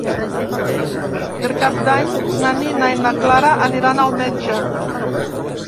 Per Cap d'Any na Nina i na Clara aniran al metge.